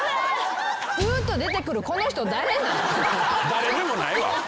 誰でもないわ！